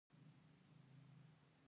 لمر او باد په خپل زور بحث کاوه.